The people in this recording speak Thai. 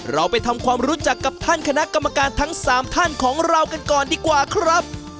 เราไปทำความรู้จักกับท่านคณะกรรมการทั้ง๓ท่านของเรากันก่อนดีกว่าครับ